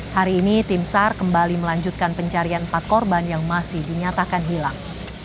hari ini tim sar kembali melanjutkan pencarian empat korban yang masih dinyatakan hilang